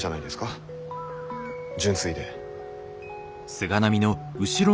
純粋で。